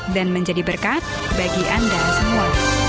dan menjadi berkat bagi anda semua